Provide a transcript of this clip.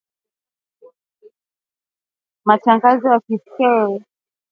Matangazo ya Idhaa ya Kiswahili huwafikia mamilioni ya wasikilizaji katika Afrika Mashariki na Afrika ya kati .